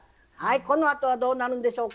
このあとはどうなるんでしょうか？